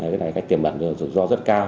cái này tiềm bận rủi ro rất cao